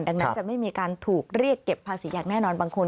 ดังนั้นจะไม่มีการถูกเรียกเก็บภาษีอย่างแน่นอนบางคน